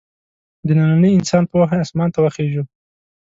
د ننني انسان پوهې اسمان ته وخېژو.